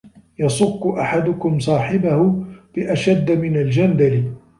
يَصُكُّ أَحَدُكُمْ صَاحِبَهُ بِأَشَدَّ مِنْ الْجَنْدَلِ